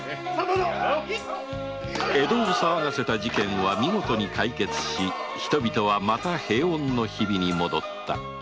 江戸を騒がせた事件は解決し人々は平穏の日々に戻った